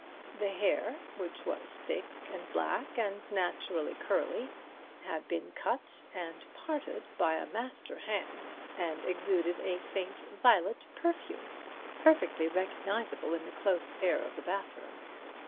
The hair, which was thick and black and naturally curly, had been cut and parted by a master hand, and exuded a faint violet perfume, perfectly recognizable in the close air of the bathroom.